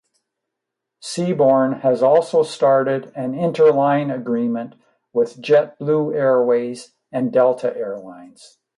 Seaborne has also started an interline agreement with Jetblue Airways and Delta Air Lines.